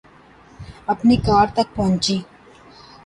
اپنی کار تک پہنچی